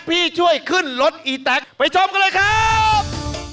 พี่ช่วยขึ้นรถอีแต๊กไปชมกันเลยครับ